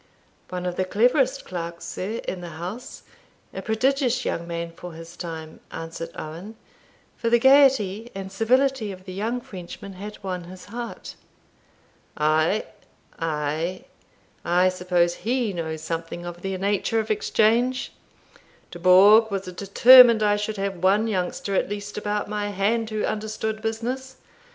"One of the cleverest clerks, sir, in the house; a prodigious young man for his time," answered Owen; for the gaiety and civility of the young Frenchman had won his heart. "Ay, ay, I suppose he knows something of the nature of exchange. Dubourg was determined I should have one youngster at least about my hand who understood business.